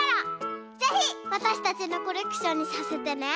ぜひわたしたちのコレクションにさせてね。